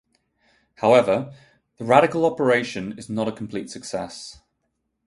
However, the radical operation is not a complete success.